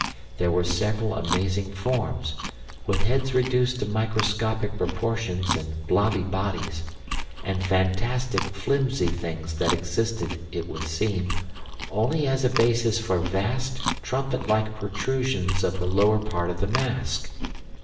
There were several amazing forms, with heads reduced to microscopic proportions and blobby bodies; and fantastic, flimsy things that existed, it would seem, only as a basis for vast, trumpet like protrusions of the lower part of the mask.